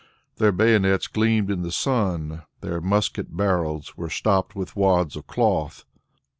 Their bayonets gleamed in the sun, their musket barrels were stopped with wads of cloth.